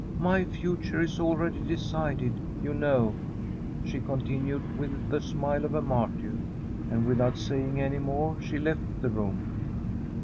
* My future is already decided, you know,' she continued, with the smile of a martyr; and without saying any more she left the room.